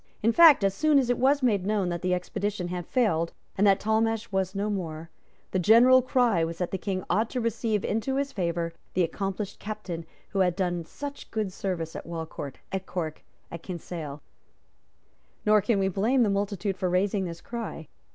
In fact, as soon as it was known that the expedition had failed, and that Talmash was no more, the general cry was that the King ought to receive into his favour the accomplished Captain who had done such good service at Walcourt, at Cork and at Kinsale. Nor can we blame the multitude for raising this cry.